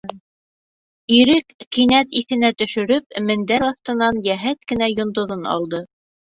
Ирек, кинәт иҫенә төшөрөп, мендәр аҫтынан йәһәт кенә йондоҙон алды.